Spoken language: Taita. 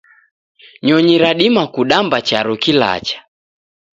Nyonyi radima kudamba charo kilacha